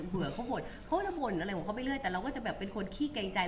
เผื่อเขาบ่นเขาก็จะบ่นอะไรของเขาไปเรื่อยแต่เราก็จะแบบเป็นคนขี้เกรงใจ